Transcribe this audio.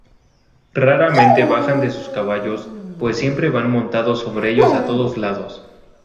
Raramente bajan de sus caballos, pues siempre van montados sobre ellos a todos lados"".